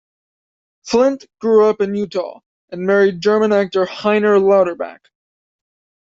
Flint grew up in Utah and married German actor Heiner Lauterbach.